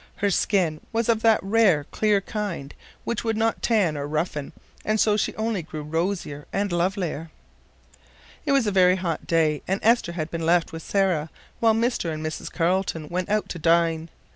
Her skin was of that rare, clear kind which would not tan or roughen, and so she only grew rosier and lovelier. It was a very hot day, and Esther had been left with Sarah while Mr. and Mrs. Carleton went out to dine.